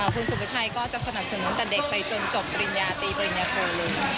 คุณสุปชัยก็จะสนับสนุนตั้งแต่เด็กไปจนจบปลิแรงปริญญาทรียุคประหลิงพลูก